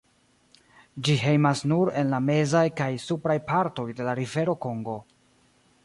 Ĝi hejmas nur en la mezaj kaj supraj partoj de la rivero Kongo.